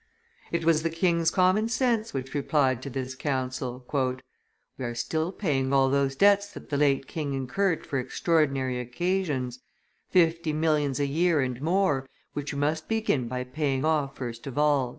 It was the king's common sense which replied to this counsel, "We are still paying all those debts that the late king incurred for extraordinary occasions, fifty millions a year and more, which we must begin by paying off first of all."